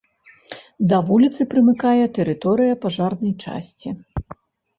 Да вуліцы прымыкае тэрыторыя пажарнай часці.